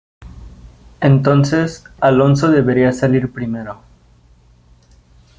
Entonces Alonso debería salir primero.